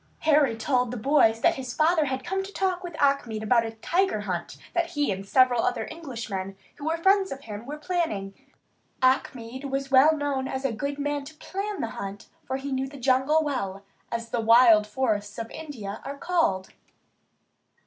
Harry told the boys that his father had come to talk with Achmed about a tiger hunt that he and several other Englishmen, who were friends of his, were planning. Achmed was well known as a good man to plan a hunt, for he knew the jungle well, as the wild forests of India are called.